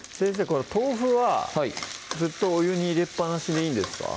これ豆腐ははいずっとお湯に入れっぱなしでいいんですか？